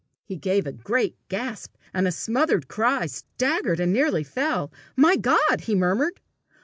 He gave a great gasp and a smothered cry, staggered, and nearly fell. "My God!" he murmured.